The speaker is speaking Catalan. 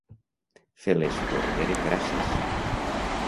Fer les porgueres grasses.